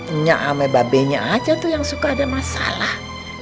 enak sama babenya aja tuh yang suka ada masalah